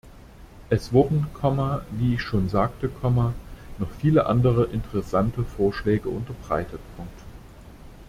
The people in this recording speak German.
Es wurden, wie ich schon sagte, noch viele andere interessante Vorschläge unterbreitet.